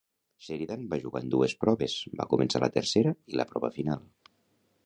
Sheridan va jugar en dues proves, va començar la tercera i la prova final.